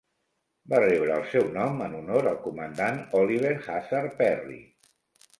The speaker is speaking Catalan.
Va rebre el seu nom en honor al Comandant Oliver Hazard Perry.